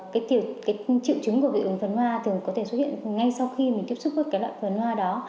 cái triệu chứng của dị ứng phấn hoa thường có thể xuất hiện ngay sau khi mình tiếp xúc với loại phấn hoa đó